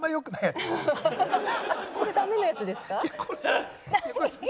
あっこれダメなやつですか？